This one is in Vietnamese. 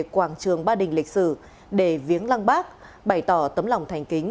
quảng trường ba đình lịch sử để viếng lăng bác bày tỏ tấm lòng thành kính